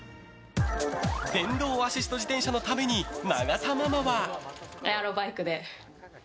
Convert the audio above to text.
電動アシスト自転車のために永田ママは。